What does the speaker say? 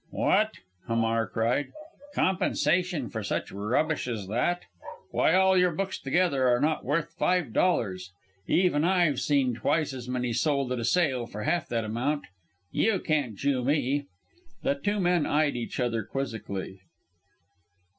"What!" Hamar cried, "compensation for such rubbish as that? Why all your books together are not worth five dollars. Indeed I've seen twice as many sold at a sale for half that amount. You can't Jew me!" The two men eyed each other quizzically.